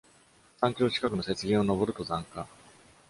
山頂近くの雪原を登る登山家。